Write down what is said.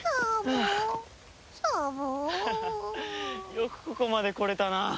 よくここまで来れたな。